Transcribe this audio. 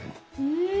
うん！